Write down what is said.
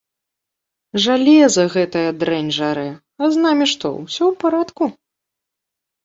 Жалеза гэтая дрэнь жарэ, а з намі што, усё ў парадку?